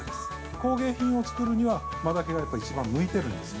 工芸品を作るには真竹が一番向いてるんですよ。